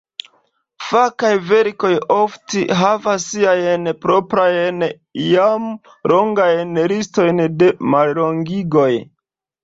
Fakaj verkoj ofte havas siajn proprajn, iam longajn, listojn de mallongigoj.